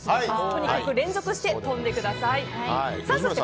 とにかく連続して跳んでください。